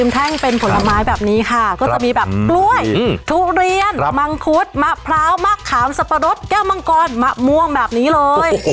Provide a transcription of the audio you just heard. ทุเรียนมังคุดมะพร้าวมะขามสับปะรดแก้วมังกอนมะม่วงแบบนี้เลยโอ้โห